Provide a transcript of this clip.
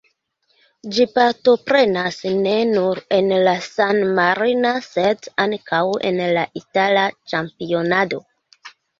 Ĝi partoprenas ne nur en la san-marina, sed ankaŭ en la itala ĉampionado.